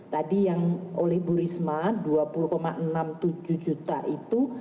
tadi yang oleh bu risma dua puluh enam puluh tujuh juta itu